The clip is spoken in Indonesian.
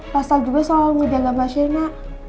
pasal juga selalu ngedelak mbak sienna